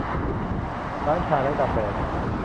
ร้านชาและกาแฟ